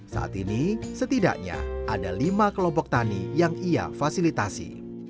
saat ini setidaknya ada lima kelompok tani yang ia fasilitasi